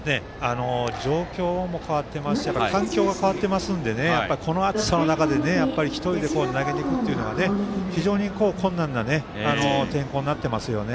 状況も変わっていますし環境も変わっていますのでこの暑さの中１人で投げ抜くのは非常に困難な天候になっていますよね。